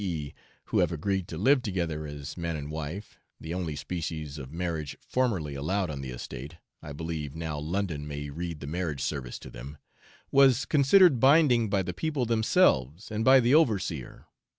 e., who have agreed to live together as man and wife (the only species of marriage formerly allowed on the estate, I believe now London may read the Marriage Service to them), was considered binding by the people themselves and by the overseer.